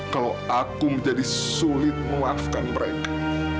kalau aku menjadi sulit memaafkan mereka